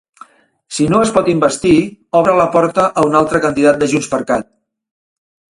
Si no es pot investir, obre la porta a un altre candidat de JxCat.